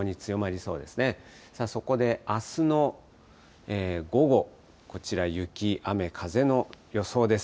そこであすの午後、こちら、雪、雨、風の予想です。